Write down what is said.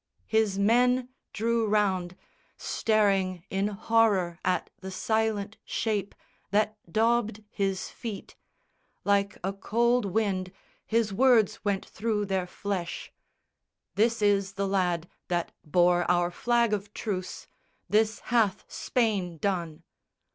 His men drew round, Staring in horror at the silent shape That daubed his feet. Like a cold wind His words went through their flesh: "This is the lad That bore our flag of truce. This hath Spain done.